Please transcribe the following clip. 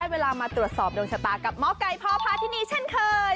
เวลามาตรวจสอบดวงชะตากับหมอไก่พ่อพาทินีเช่นเคย